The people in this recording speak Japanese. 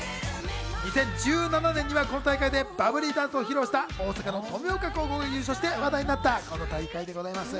２０１７年にはこの大会でバブリーダンスを披露した大阪の登美丘高校が優勝して話題になったこの大会でございます。